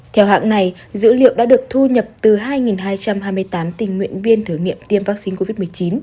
theo hãng này dữ liệu đã được thu nhập từ hai hai trăm hai mươi tám tình nguyện viên thử nghiệm tiêm vaccine covid một mươi chín